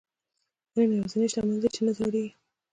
علم یوازینۍ شتمني ده چې نه زړيږي.